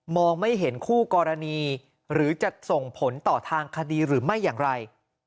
ไม่เห็นคู่กรณีหรือจะส่งผลต่อทางคดีหรือไม่อย่างไร